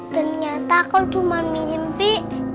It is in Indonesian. ternyata kau cuma mimpi